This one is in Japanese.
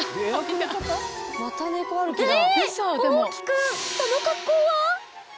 また猫歩きだ。